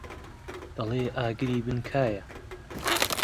دەڵێی ئاگری بن کایە.